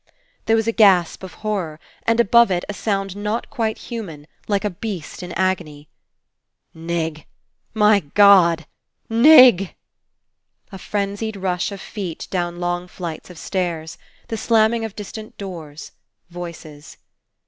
There was a gasp of horror, and above it a sound not quite human, like a beast In agony. "Nig! My God! Nig!" A frenzied rush of feet down long 209 PASSING flights of stairs. The slamming of distant doors. Voices.